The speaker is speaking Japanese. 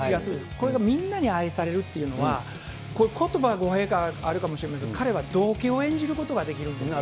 これがみんなに愛されるというのは、これ、ことばは語弊があるかもしれないけど、彼は道化を演じることができるんですよ。